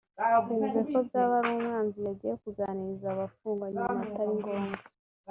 bivuze ko Byabarumwanzi yagiye kuganiriza abafungwa yumva atari ngombwa